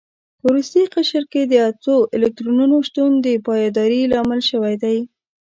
په وروستي قشر کې د اتو الکترونونو شتون د پایداري لامل شوی دی.